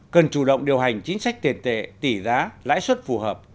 cần chủ động điều hành chính sách tiền tệ tỷ giá lãi suất phù hợp